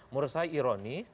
menurut saya ironi